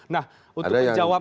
nah untuk menjawab